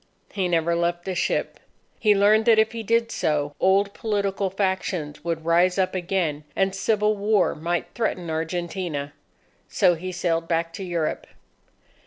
He never left the ship. He learned that if he did so, old political factions would rise up again, and civil war might threaten Argentina. So he sailed back to Europe.